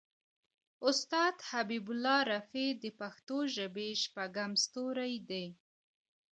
استاد حبیب الله رفیع د پښتو ژبې شپږم ستوری دی.